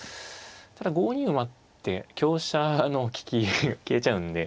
ただ５二馬って香車の利きが消えちゃうんで。